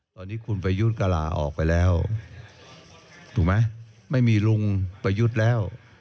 ตอนนี้คุณประยุทธ์ก็ลาออกไปแล้วถูกไหมไม่มีลุงประยุทธ์แล้ว